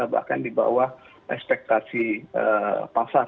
bahkan di bawah ekspektasi pasar